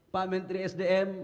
pak menteri sdm